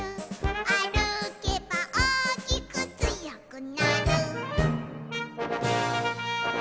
「あるけばおおきくつよくなる」